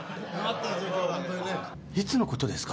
いつのことですか？